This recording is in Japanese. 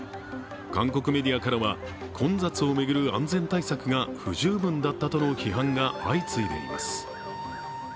韓国メディアからは、混雑を巡る安全対策が不十分だったとの批判が相次いでいます。